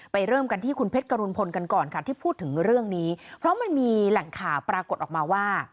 ไปเริ่มกันที่คุณเพศกระรุณพลที่พูดถึงเรื่องนี้เพราะมีแหล่งข่าวปรากฏออกมาว่า